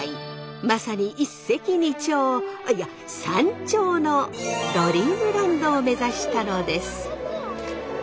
まさに一石二鳥いや三鳥のドリームランドを目指したのです。